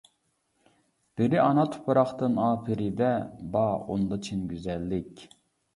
بىرى ئانا تۇپراقتىن ئاپىرىدە، بار ئۇندا چىن گۈزەللىك.